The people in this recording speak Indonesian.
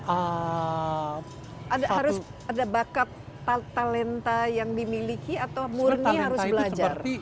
harus ada bakat talenta yang dimiliki atau murni harus belajar